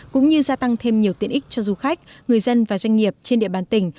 cũng như gia tăng thêm nhiều tiện ích cho du khách người dân và doanh nghiệp trên địa bàn tỉnh